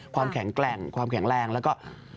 ความแข็งแกร่งความแข็งแรงแล้วก็